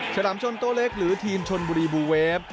ฉลามชนโต้เล็กหรือทีมชนบุรีบูเวฟ